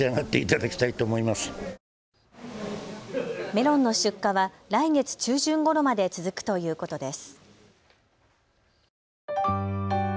メロンの出荷は来月中旬ごろまで続くということです。